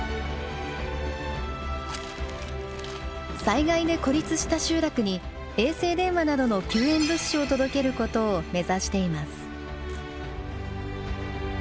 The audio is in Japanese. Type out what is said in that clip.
災害で孤立した集落に衛星電話などの救援物資を届けることを目指しています。